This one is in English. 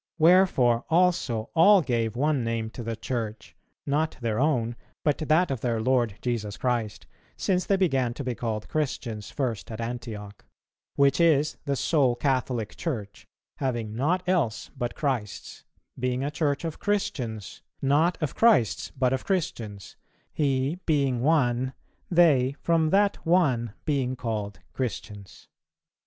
Wherefore also all gave one name to the Church, not their own, but that of their Lord Jesus Christ, since they began to be called Christians first at Antioch; which is the Sole Catholic Church, having nought else but Christ's, being a Church of Christians; not of Christs, but of Christians, He being One, they from that One being called Christians.